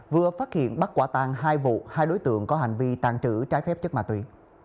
vừa phát hiện bắt quả tan hai vụ hai đối tượng có hành vi tàn trữ trái phép chất ma túy